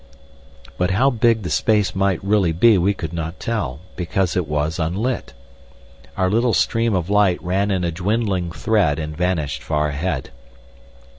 But how big the space might really be we could not tell, because it was unlit. Our little stream of light ran in a dwindling thread and vanished far ahead.